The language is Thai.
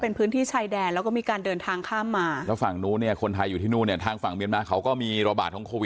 โดยวิธีที่ถูกต้องอย่าเดินข้ามแม่น้ำมาอย่าเข้ามาทางช่องทางธรรมชาติเข้ามานะครับ